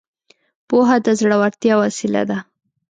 پوهه د زړورتيا وسيله ده.